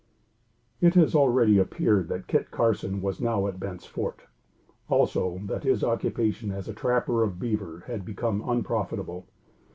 It has already appeared that Kit Carson was now at Bent's Fort. Also, that his occupation as a trapper of beaver had become unprofitable.